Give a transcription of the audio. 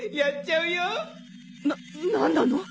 な何なの！？